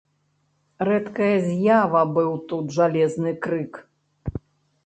Рэдкая з'ява быў тут жалезны крык.